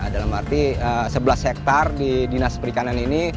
dalam arti sebelas hektare di dinas perikanan ini